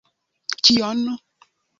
Kion?